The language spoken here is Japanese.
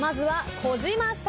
児嶋さん！